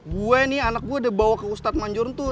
gue nih anak gue udah bawa ke ustadz manjur tuh